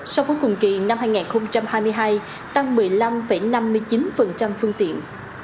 sau cuối cùng kỳ năm hai nghìn hai mươi hai tăng một mươi năm năm mươi chín phương tiện